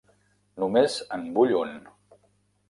Només en vull un.